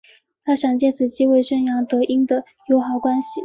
他想借此机会宣扬德英的友好关系。